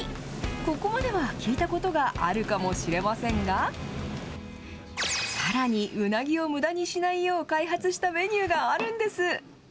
ここまでは聞いたことがあるかもしれませんがさらにウナギをむだにしないよう開発したメニューがあるんです。